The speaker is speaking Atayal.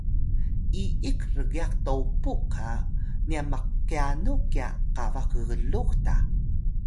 iyik rgyax Topuk ga nyan mqyanux kya qabax gglux ta